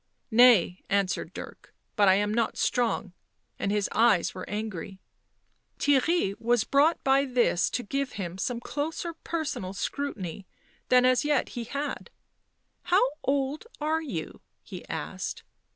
" Nay," answered Dirk, " but I am not strong," and his eyes were angry. Theirry was brought by this to give him some closer personal scrutiny than as yet he had. " How old are you?" he asked.